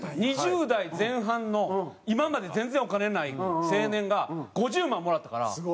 ２０代前半の今まで全然お金ない青年が５０万もらったから。